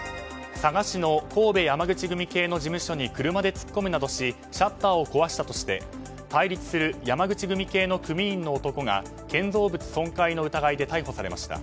佐賀市の神戸山口組系の事務所に車で突っ込むなどしシャッターを壊したとして対立する山口組系の組員の男が建造物損壊の疑いで逮捕されました。